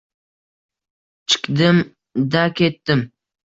Chikdim-da ketdim